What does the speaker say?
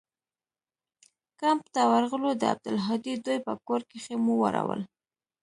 کمپ ته ورغلو د عبدالهادي دوى په کور کښې مو واړول.